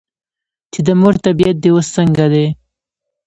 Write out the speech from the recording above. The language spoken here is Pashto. چې " د مور طبیعیت دې اوس څنګه دے ؟" ـ